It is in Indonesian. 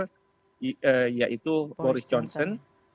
maksir yaitu boris johnson